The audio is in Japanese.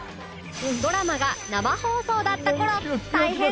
ドラマが生放送だった頃大変だった？